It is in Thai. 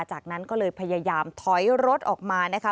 จากนั้นก็เลยพยายามถอยรถออกมานะคะ